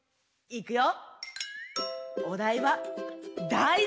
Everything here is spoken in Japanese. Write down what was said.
いくよ！